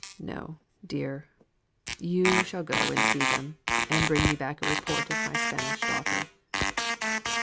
No, dear; you shall go and see them, and bring me back a report of my Spanish daughter."